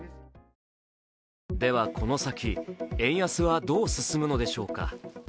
では、この先、円安はどう進むのでしょうか。